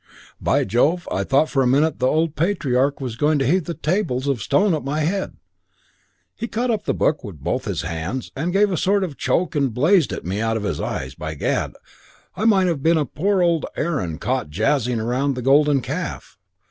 "By Jove, I thought for a minute the old patriarch was going to heave the tables of stone at my head. He caught up the book in both his hands and gave a sort of choke and blazed at me out of his eyes by gad, I might have been poor old Aaron caught jazzing round the golden calf.